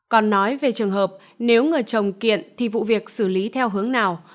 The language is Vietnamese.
còn nói về trường hợp nếu người trồng kiện thì vụ việc xử lý theo hướng nào